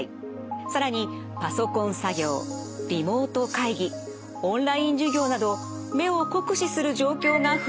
更にパソコン作業リモート会議オンライン授業など目を酷使する状況が増えています。